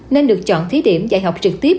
nên được chọn thí điểm dạy học trực tiếp